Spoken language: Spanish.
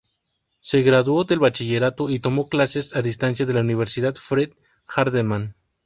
Se graduó del bachillerato y tomó clases a distancia de la Universidad Freed-Hardeman.